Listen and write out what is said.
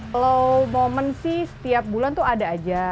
kalau momen sih setiap bulan tuh ada aja